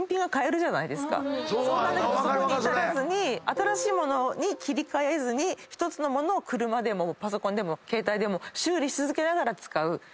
そうなんだけどそこに至らずに新しい物に切り替えずに１つの物を車でもパソコンでも携帯でも修理し続けながら使う。